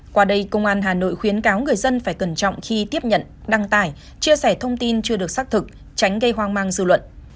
qua đây công an hà nội khuyến cáo người dân phải cẩn trọng khi tiếp nhận đăng tải chia sẻ thông tin chưa được xác thực tránh gây hoang mang dư luận